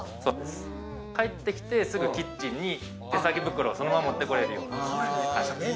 帰ってきて、すぐキッチンに手提げ袋をそのまま持っていけるように。